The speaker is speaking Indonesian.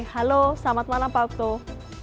halo selamat malam pak abtuh